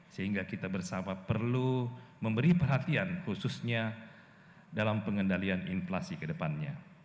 sehingga kita bersama perlu memberi perhatian khususnya dalam pengendalian inflasi ke depannya